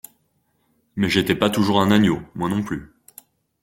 Mais j'étais pas toujours un agneau, moi non plus.